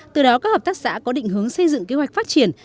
từ đó các hợp tác xã có định hướng xây dựng kế hoạch phát triển